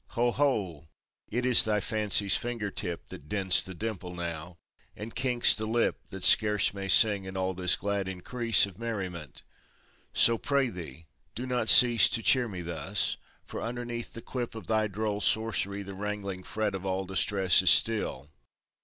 Ho! ho! It is thy fancy's finger tip That dints the dimple now, and kinks the lip That scarce may sing in all this glad increase Of merriment! So, pray thee, do not cease To cheer me thus, for underneath the quip Of thy droll sorcery the wrangling fret Of all distress is still.